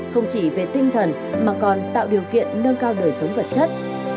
không chỉ về tinh thần mà còn tạo điều kiện nâng cao đời sống vật chất